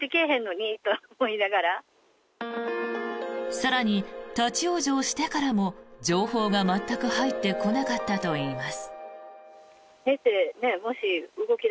更に、立ち往生してからも情報が全く入ってこなかったといいます。